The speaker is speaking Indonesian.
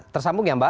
tersambung ya mbak